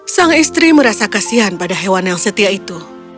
sang istri merasa kasihan pada hewan yang setia itu